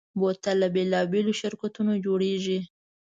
بوتل له بېلابېلو شرکتونو جوړېږي.